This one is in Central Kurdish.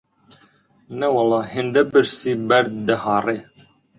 نەوەڵڵا هێندە برسی بەرد دەهاڕی